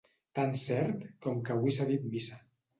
Tan cert com que avui s'ha dit missa.